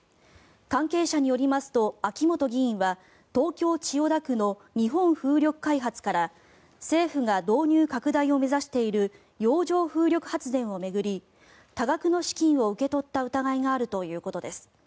関係者によりますと秋本議員は東京・千代田区の日本風力開発から政府が導入拡大を目指している洋上風力発電を巡り多額の資金を受け取った疑いがあるということです。